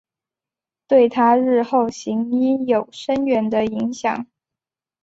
对她日后行医有深远的影响。